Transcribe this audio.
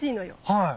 はい。